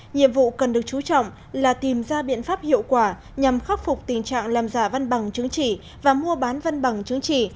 nhiệm vụ cần được chú trọng là tìm ra biện pháp hiệu quả nhằm khắc phục tình trạng làm giả văn bằng chứng chỉ và mua bán văn bằng chứng chỉ